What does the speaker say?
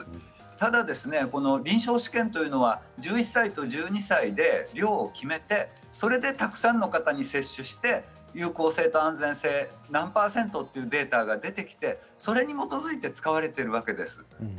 ただ臨床試験は１１歳と１２歳で量を決めてそれでたくさんの方に接種して有効性と安全性が何％というデータが出てきてそれに基づいて使われているわけです。